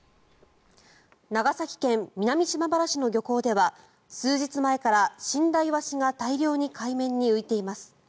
長崎県南島原市の漁港では数日前から死んだイワシが大量に海面に浮いています。